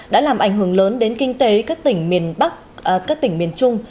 đã làm ảnh hưởng lớn đến kinh tế các tỉnh miền bắc các tỉnh miền trung